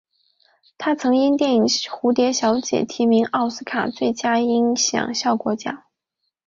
他曾因电影蝴蝶小姐提名奥斯卡最佳音响效果奖。